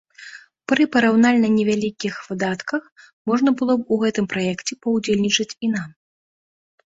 Пры параўнальна невялікіх выдатках можна было б у гэтым праекце паўдзельнічаць і нам.